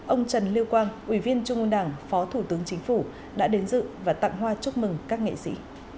ông trần lưu quang ủy viên trung ương đảng phó thủ tướng chính phủ đã đến dự và tặng hoa chúc mừng các nghệ sĩ